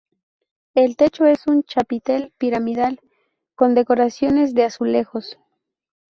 El techo es un chapitel piramidal con decoración de azulejos.